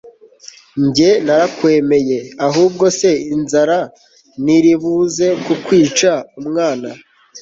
njye narakwemeye! ahubwo se inzara ntiribuze kukwica mwana